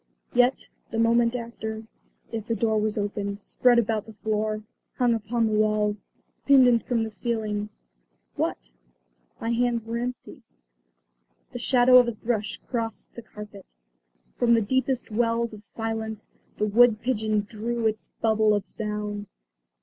Yet, the moment after, if the door was opened, spread about the floor, hung upon the walls, pendant from the ceiling what? My hands were empty. The shadow of a thrush crossed the carpet; from the deepest wells of silence the wood pigeon drew its bubble of sound.